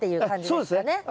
あっそうですね。